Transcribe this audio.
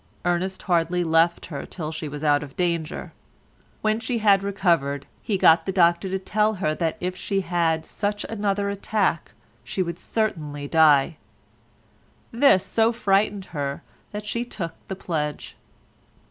Ernest hardly left her till she was out of danger. When she had recovered he got the doctor to tell her that if she had such another attack she would certainly die; this so frightened her that she took the pledge.